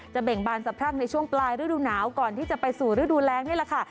เบ่งบานสะพรั่งในช่วงปลายฤดูหนาวก่อนที่จะไปสู่ฤดูแรงนี่แหละค่ะ